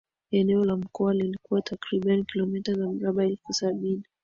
eneo la mkoa lilikuwa takriban kilometa za mraba elfu sabini